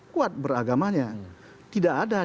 kuat beragamanya tidak ada